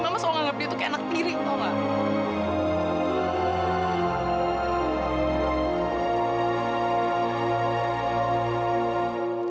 mama selalu nganggep dia tuh kayak anak piri tau gak